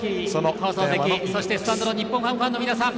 放送席、そしてスタンドの日本ハムファンの皆さん